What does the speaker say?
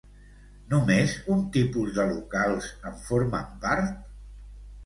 Només un tipus de locals en formen part?